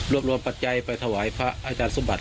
โร่บรวมบัสใจไปถวายพระอาจารย์สุภัทร